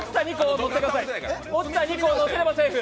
落ちた２個をのせればセーフ！